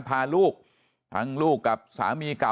พาลูกทั้งลูกกับสามีเก่า